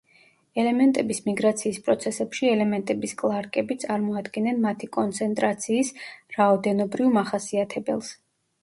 ელემენტების მიგრაციის პროცესებში ელემენტების კლარკები წარმოადგენენ მათი კონცენტრაციის რაოდენობრივ მახასიათებელს.